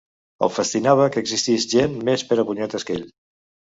El fascinava que existís gent més perepunyetes que ell.